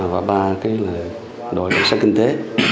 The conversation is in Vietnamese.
và ba là đội xã kinh tế